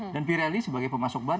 dan pirelli sebagai pemasok ban